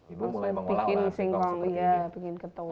ibu mulai mengolah olahan singkong seperti ini